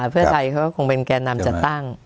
เพื่อไทยเขาคงเป็นแก่นำจัดตั้ง